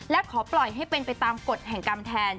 และขอปล่อยให้เป็นไปตามกฎแห่งกรรมแทน